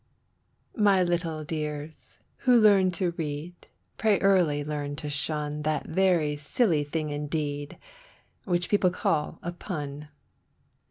My little dears who learn to read, pray early learn to shun That very silly thing indeed, which people call a pun.